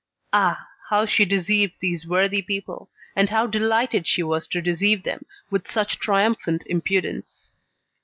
Ah! how she deceived these worthy people, and how delighted she was to deceive them with such triumphant impudence.